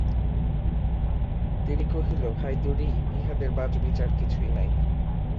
তিরি কহিল, ভাই দুরি, ইহাদের বাচবিচার কিছুই নাই।